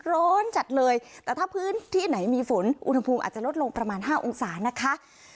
ร้อนจัดเลยแต่ถ้าพื้นที่ไหนมีฝนอุณหภูมิอาจจะลดลงประมาณ๕องศานะคะ